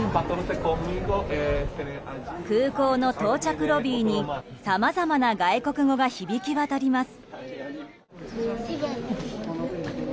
空港の到着ロビーにさまざまな外国語が響き渡ります。